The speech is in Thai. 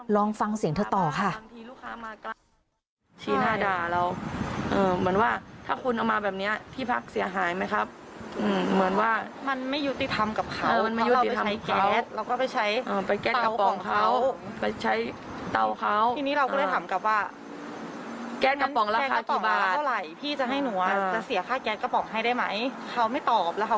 ลองฟังเสียงเธอต่อค่ะ